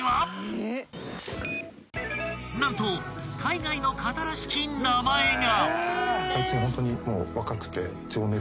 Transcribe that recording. ［何と海外の方らしき名前が］